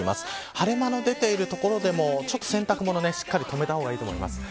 晴れ間が出ている所でも洗濯物はしっかり留めた方がいいと思います。